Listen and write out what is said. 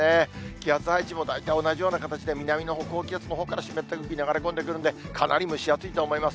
気圧配置も大体同じような形で、形で南のほうから高気圧、湿った空気流れ込んでくるんで、かなり蒸し暑いと思います。